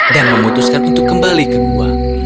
dan memutuskan untuk kembali ke gua